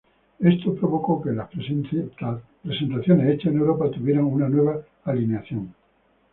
Esto provocó que en las presentaciones hechas en Europa tuvieran una nueva alineación.